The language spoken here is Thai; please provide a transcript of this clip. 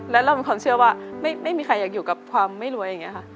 แล้วเรามีความเชื่อว่าไม่มีใครอยากอยู่กับความไม่รวยอย่างนี้ค่ะ